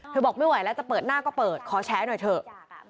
บอกไม่ไหวแล้วจะเปิดหน้าก็เปิดขอแชร์หน่อยเถอะ